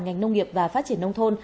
ngành nông nghiệp và phát triển nông thôn